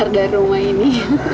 lebih besar dari rumah ini